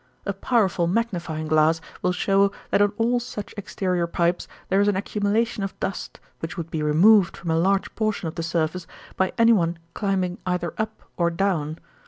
A powerful magnifying glass will show that on all such exterior pipes there is an accumulation of dust, which would be removed from a large portion of the surface by anyone climbing either up or down.